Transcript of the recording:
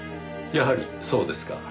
やはりそうですか。